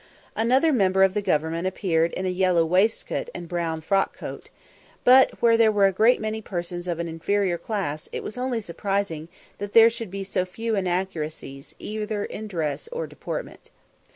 Another member of the government appeared in a yellow waistcoat and brown frock coat; but where there were a great many persons of an inferior class it was only surprising that there should be so few inaccuracies either in dress or deportment.